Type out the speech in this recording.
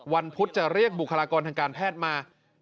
พุธจะเรียกบุคลากรทางการแพทย์มา